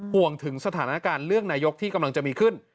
ห่วงถึงสถานการณ์เลือกนายกที่กำลังจะมีขึ้น